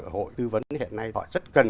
ở hội tư vấn hiện nay họ rất cần